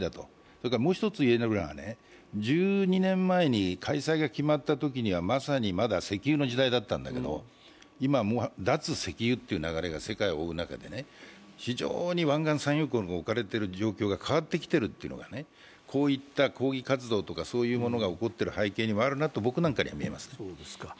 それからもう一ついえるのは１２年前に開催が決まったときには、まさにまだ石油の時代だったんだけど、今もう脱石油という流れが世界を覆う中で非常に湾岸産油国が置かれている状況が変わってきているというのがこういった抗議活動が起こっている背景に僕なんかには見えます。